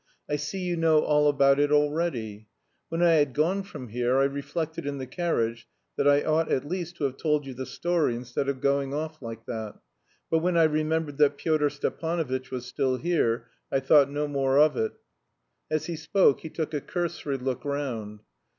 "I see you know all about it already. When I had gone from here I reflected in the carriage that I ought at least to have told you the story instead of going off like that. But when I remembered that Pyotr Stepanovitch was still here, I thought no more of it." As he spoke he took a cursory look round.